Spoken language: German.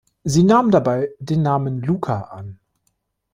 Sie nahm dabei den Namen „Lucca“ an.